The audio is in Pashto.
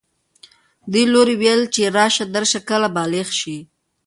دې لوري ویل چې راشه درشه کله بالغ شي